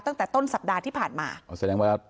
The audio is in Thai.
ตั้งแต่ต้นสัปดาห์ที่ผ่านมาอ๋อแสดงว่า